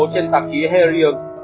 trên tạp chí herium